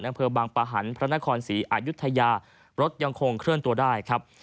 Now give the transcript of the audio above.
อำเภอบางปะหันพระนครศรีอายุทยารถยังคงเคลื่อนตัวได้ครับ